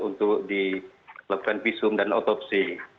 untuk dilakukan visum dan otopsi